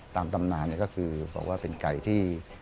ตำนานก็คือบอกว่าเป็นไก่ที่